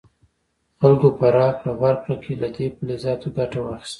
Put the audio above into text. خلکو په راکړه ورکړه کې له دې فلزاتو ګټه واخیسته.